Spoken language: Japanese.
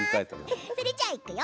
それじゃあいくよ。